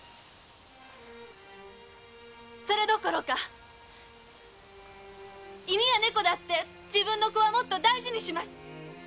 それどころか犬や猫だって自分の子はもっと大事にします